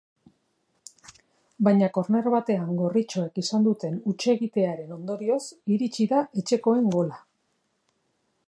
Baina korner batean gorritxoek izan duten hutsegitearen ondorioz iritsi da etxekoen gola.